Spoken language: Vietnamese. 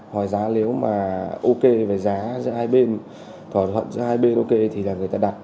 hỏi giá nếu mà ok về giá giữa hai bên thỏa thuận giữa hai bên ok thì là người ta đặt